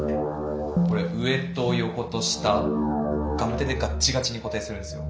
これ上と横と下ガムテでガッチガチに固定するんすよ。